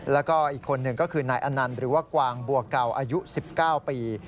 แล้วก็อีกคนหนึ่งก็คือนายอนันต์หรือว่ากวางบัวเก่าอายุ๑๙ปี